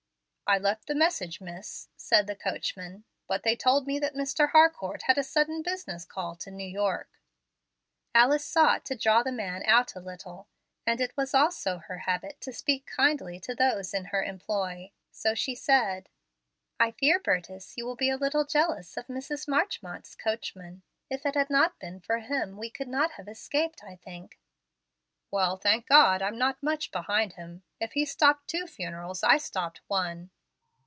"I left the message, miss," said the coachman, "but they told me that Mr. Harcourt had a sudden business call to New York." Alice sought to draw the man out a little, and it was also her habit to speak kindly to those in her employ; so she said: "I fear, Burtis, you will be a little jealous of Mrs. Marchmont's coachman. If it had not been for him we could not have escaped, I think." "Well, thank God, I'm not much behind him. If he stopped two funerals, I stopped one."